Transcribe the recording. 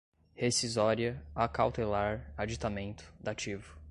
rescisória, acautelar, aditamento, dativo